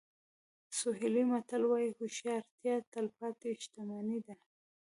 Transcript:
سوهیلي متل وایي هوښیارتیا تلپاتې شتمني ده.